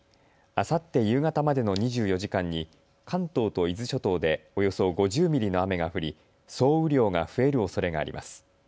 あさって夕方までの２４時間に関東と伊豆諸島でおよそ５０ミリの雨が降り総雨量が増えるおそれがあります。